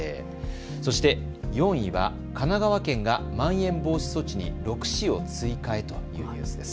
そして４位は神奈川県がまん延防止措置に６市を追加へというニュースです。